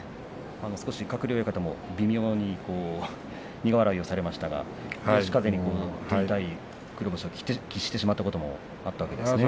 鶴竜親方も微妙に苦笑いをされましたが嘉風に痛い黒星を喫してしまったこともあったわけですね。